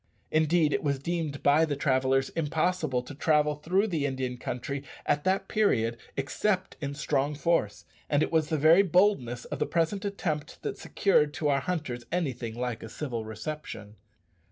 Indeed, it was deemed by the traders impossible to travel through the Indian country at that period except in strong force, and it was the very boldness of the present attempt that secured to our hunters anything like a civil reception.